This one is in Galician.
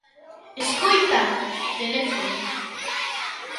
–Escoita: teléfono.